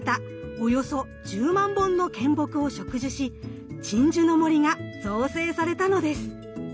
およそ１０万本の献木を植樹し鎮守の森が造成されたのです。